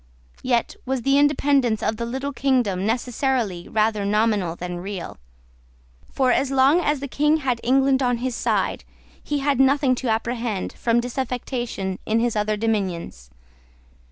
Yet was the independence of the little kingdom necessarily rather nominal than real; for, as long as the King had England on his side, he had nothing to apprehend from disaffection in his other dominions.